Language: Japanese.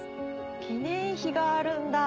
記念碑があるんだ。